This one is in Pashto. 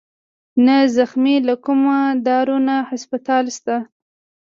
نه زخمى له کوم دارو نه هسپتال شت